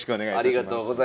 ありがとうございます。